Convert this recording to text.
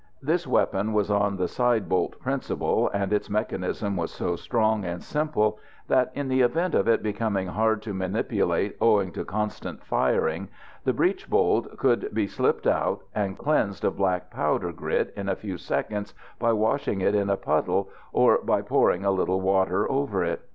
This weapon was on the side bolt principle, and its mechanism was so strong and simple that in the event of it becoming hard to manipulate owing to constant tiring the breech bolt could be slipped out and cleansed of black powder grit in a few seconds by washing it in a puddle, or by pouring a little water over it.